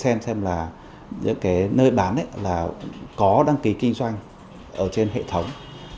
xem xem là những cái nơi bán là có đăng ký kinh doanh ở trên hệ thống